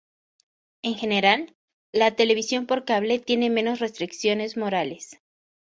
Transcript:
En general, la televisión por cable tiene menos restricciones morales.